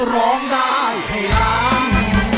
ร้องได้ให้ล้าน